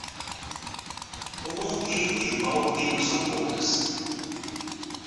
O bom tempo e o mau tempo são curtos.